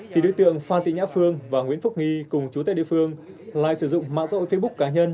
thì đối tượng phan tị nhã phương và nguyễn phúc nghi cùng chú tại địa phương lại sử dụng mạng xã hội facebook cá nhân